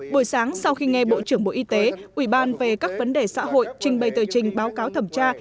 buổi sáng sau khi nghe bộ trưởng bộ y tế ủy ban về các vấn đề xã hội trình bày tờ trình báo cáo thẩm tra